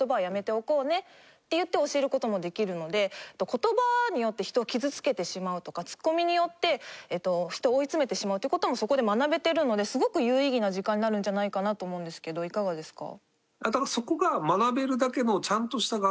言葉によって人を傷つけてしまうとかツッコミによってえっと人を追い詰めてしまうという事もそこで学べてるのですごく有意義な時間になるんじゃないかなと思うんですけどいかがですか？